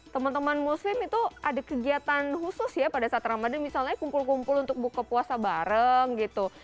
teman teman muslim itu ada kegiatan khusus ya pada saat ramadhan misalnya kumpul kumpul untuk buka puasa bareng gitu